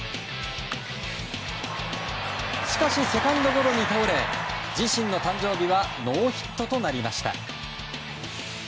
しかしセカンドゴロに倒れ自身の誕生日はノーヒットとなりました。